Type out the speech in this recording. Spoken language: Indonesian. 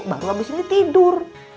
bangun abis ini tidur